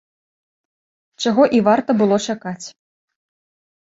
Чаго і варта было чакаць!